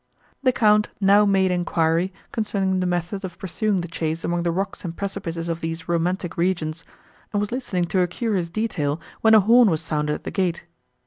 The Count now made enquiry, concerning the method of pursuing the chace among the rocks and precipices of these romantic regions, and was listening to a curious detail, when a horn was sounded at the gate.